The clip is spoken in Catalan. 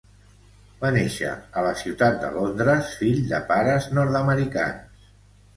Va néixer a la ciutat de Londres fill de pares nord-americans.